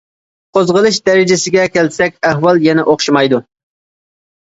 قوزغىلىش دەرىجىسىگە كەلسەك، ئەھۋال يەنە ئوخشىمايدۇ.